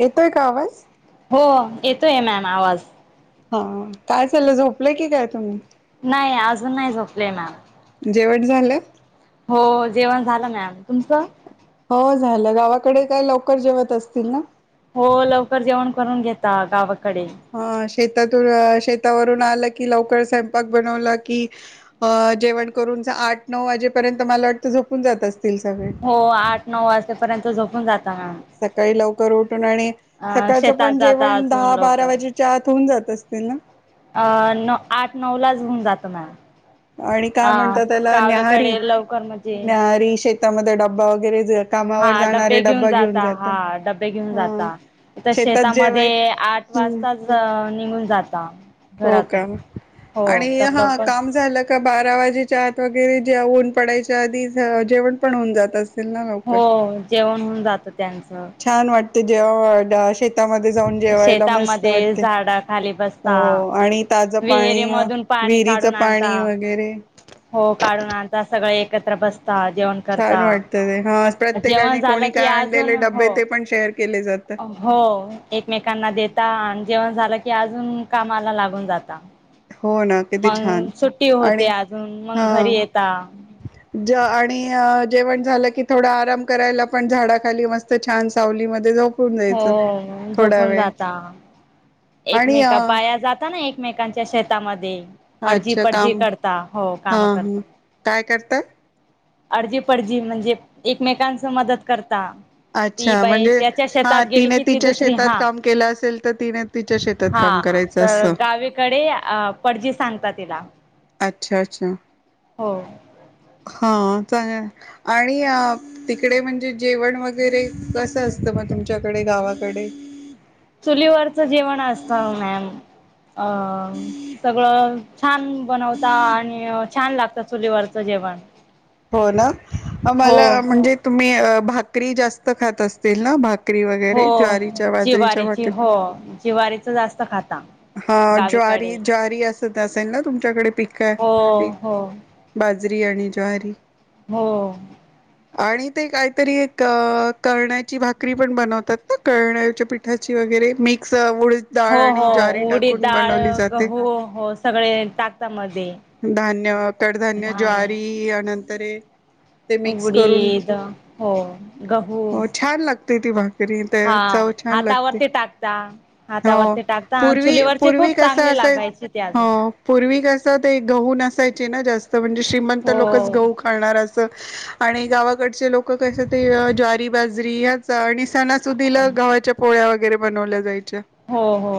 येतोय का आवाज? येतो आहे मॅम आवाज हा काय चाललं झोपलंय की काय तुम्ही? नाही अजून नाही झोपलेय मॅम जेवण झालं? हो जेवण झालं मॅम तुमचं? हो झालं गावाकडे काय लवकर जेवत असतील ना? हो लवकर जेवण करून घेता गाव कडे हा शेतातून शेतावरून आलं की लवकर स्वयंपाक बनवलं की जेवण करून आठ नऊ वाजेपर्यंत मला वाटतं झोपून जात असतं. हो आठ नऊ वाजेपर्यंत झोपून जाता हा सकाळी लवकर उठ आणि अ सकाळचं शेतात पण जाता जेवण अजून दहा बारा लवकर वाजेच्या आत होऊन जात असं त्यांना अ न आठ नऊ लाच होेऊन जातं मॅडम आणि काय म्हणत त्याला न्याहारी लवकर म्हणजे न्याहारी शेत त्यामध्ये डबा वगैरे हा कामावर जाणारे डबे घेऊन डब्बा जाता हा जातात. डबे घेऊन हा जाता इथं शेतात जेवाय शेतामध्ये आठ हम्म वाजताच निघून जाता. हो का घरातून हो आणि तर हा लवकर काम झालं का बारा वाजेच्या आत वगैरे जे ऊन पडायच्या आधी जेवण पण होऊन जातता. हो जेवण होऊन जातं त्यांचं त जेवा या शेती शेतामध्ये जाऊन जेवायला मस्त वाटते. हो आणि ताजं पाणी विहिरी मधून पाणी विहिरीचं काढून आणता पाणी वगैरे हो काढून आणता सगळं एक कत बस छान वाटतं ते हा जेवण प्रत्येकाने झालं कोणी की काय अजून आणलेले डबे हो ते पण शेअर केले जातात हो एकमेकांना देता आणि जेवण झालं की अजून कामाला लागून जाता हो ना किती छान मग सुट्टी आणि होते अजून हा मग घरी येता. आणि जेवण झालं की थोडा आराम करायला पण झाडा खाली मस्त छान सावलीमध्ये झोप हो झोपून जाता आणि अ एकमेका पाया जाता ना एक एकमेकांच्या शेतामध्ये. आडजी अच्छा पडजी काम करता हो हा काम हा काय करतय. अडजी पडजी म्हणजे एकमेकांच मदत करत. अच्छा म्हणजे. हा गेली तिने की ती तिच्या दुसरी शेतात हा काम केलं असेल तर तिने तिच्या शेतात काम हा करायचं तर असं. तला. अच्छा अच्छा हा. चांगल आणि तिकडे म्हणजे जेवण वगैरे कसं असतं मग तुमच्याकडे गावाकडे. चुलीवरच जेवण असत मॅम. अ सगळं. छान बनवता आणि छान लागत चुलीवरचं जेवण. हो ना हो मला म्हणजे तुम्ही. अ भाकरी जास्त खात असतील ना भाकरी. करी वगैरे हो ज्वारीच्या जिवारीची बाजरीच्याकरी हो जिवारीच जास्त खाता हा ज्वारी गावीकडे ज्वारी अस असेल ना तुमच्याकडे हो पकी हो बाज. बाजरी आणि ज्वारी हो आणि ते काहीतरी एक करळण्याची भाकरी पण बनवतात ना करळण्याच्या पिठाची वगैरे मिक्स आ हो हो उडीद डाळ जाते गहू हो सगळे टाकता मध्ये धान्य णे तरे उडीद हो गहू तेथे बघ तरी हा चव छान लागते हातावरती टाकता हो हातावरती टाकता आणि पूर्वी चुलीवरचे पूर्वी खूप कस चांगले असायच लागायचे ते अजून हो पूर्वी कस ते गहू नसायचं ची ना जास्त म्हणजे श्रीमंत हो लोकच गहू अस आणि गावाकडची लोक कशी ज्वारी, बाजरी याच आणि सणासुदीला गव्हाच्या पोळ्या वगैरे - बनवल्या जाईल हो हो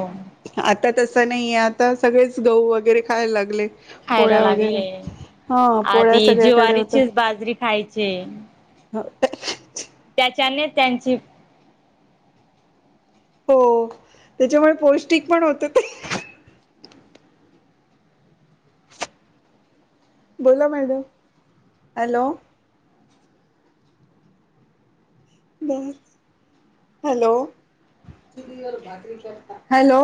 आता तस नाहीये आता सगळेच गहू वगैरे खायला लागले. खायला पोळ्या वगैरे लागले हा पोळ्या आधी सगळ्या ज्वारीचीच बाजरी खायचे त्याच्याने त्यांची हो त्याच्यामुळे पौष्टिक पण होत ते बोला मॅडम हॅलो ब हॅलो हॅलो